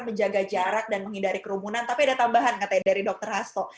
menjaga jarak dan menghindari kerumunan tapi ada tambahan katanya dari dr hasto